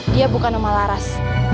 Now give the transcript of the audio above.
dia bukan omah laras